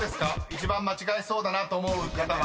一番間違えそうだなと思う方は？］